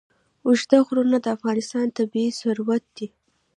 اوږده غرونه د افغانستان طبعي ثروت دی.